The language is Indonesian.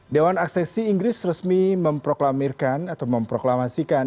dewan aksesi inggris resmi memproklamirkan atau memproklamasikan